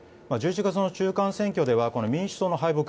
１１月の中間選挙では民主党の敗北